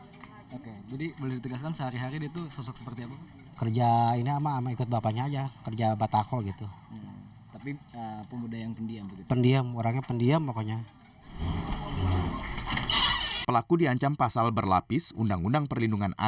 oke jadi boleh ditegaskan sehari hari dia itu sosok seperti apa